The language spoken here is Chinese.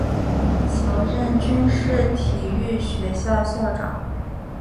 曾任军事体育学校校长。